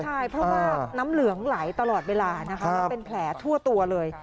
ใช่เพราะว่าน้ำเหลืองไหลตลอดเวลานะคะแล้วเป็นแผลทั่วตัวเลย